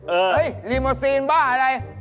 เออรถรีโมซีนบ้าอะไร